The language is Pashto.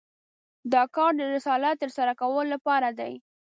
دا کار د رسالت تر سره کولو لپاره دی.